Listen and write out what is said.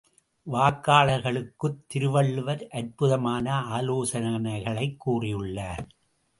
வாக்காளர்களுக்குத் திருவள்ளுவர் அற்புதமான ஆலோசனைகளைக் கூறியுள்ளார்!